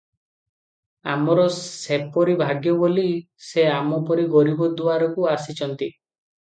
ଆମର ସେପରି ଭାଗ୍ୟବୋଲି ସେ ଆମପରି ଗରିବ ଦୁଆରକୁ ଆସିଚନ୍ତି ।